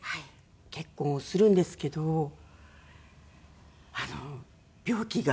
結婚をするんですけど病気が。